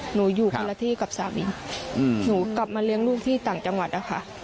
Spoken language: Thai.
หนูอยู่คนละที่กับสามีหนูกลับมาเลี้ยงลูกที่ต่างจังหวัดนะคะ